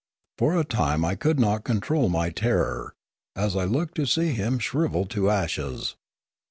For a time I could not control my terror, as I looked to see him shrivelled to ashes.